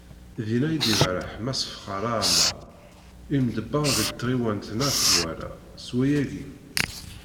Dinna, i d-iberreḥ Mass Fexxar Aɛmar, imḍebber deg tɣiwant n At Ddwala, s wayagi.